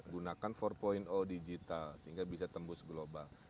gunakan empat digital sehingga bisa tembus global